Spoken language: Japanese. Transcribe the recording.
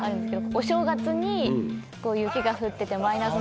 お正月に雪が降っててマイナス